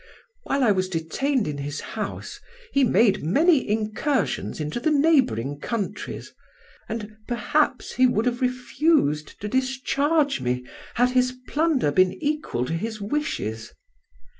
While I was detained in his house he made many incursions into the neighbouring countries, and perhaps he would have refused to discharge me had his plunder been equal to his wishes.